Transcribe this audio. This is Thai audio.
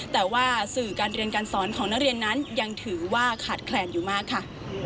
แต่ว่าสื่อการเรียนการสอนของนักเรียนนั้นยังถือว่าขาดแคลนอยู่มากค่ะ